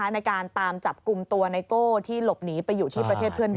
ในการตามจับกลุ่มตัวไนโก้ที่หลบหนีไปอยู่ที่ประเทศเพื่อนบ้าน